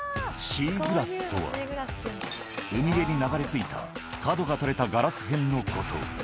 シーグラスとは、海辺に流れ着いた角が取れたガラス片のこと。